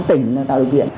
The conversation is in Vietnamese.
tỉnh tạo điều kiện